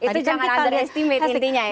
itu jangan underestimate intinya ya